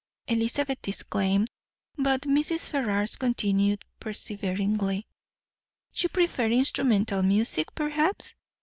Elizabeth disclaimed; but Mrs. Ferrars continued perseveringly: "You prefer instrumental music, perhaps?